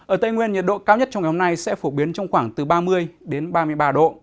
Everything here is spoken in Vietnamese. ở tây nguyên nhiệt độ cao nhất trong ngày hôm nay sẽ phổ biến trong khoảng từ ba mươi đến ba mươi ba độ